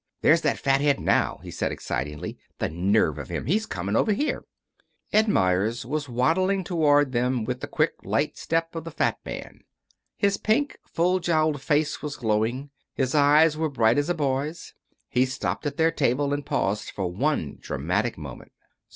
"There's that fathead now," he said, excitedly. "The nerve of him! He's coming over here." Ed Meyers was waddling toward them with the quick light step of the fat man. His pink, full jowled face was glowing. His eyes were bright as a boy's. He stopped at their table and paused for one dramatic moment.